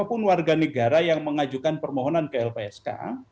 siapapun warga negara yang mengajukan permohonan ke lpsk